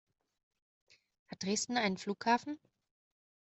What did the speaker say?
Hat Dresden einen Flughafen?